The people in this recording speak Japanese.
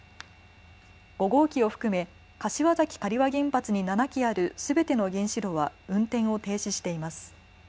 ５号機を含め柏崎刈羽原発に７基あるすべての原子炉は運転を停止しています。